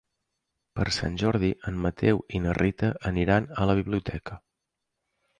Per Sant Jordi en Mateu i na Rita aniran a la biblioteca.